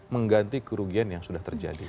mengganti kerugian yang sudah terjadi